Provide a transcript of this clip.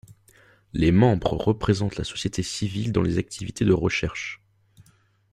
Les membres représentent la société civile dans les activités de recherche.